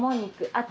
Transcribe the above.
あと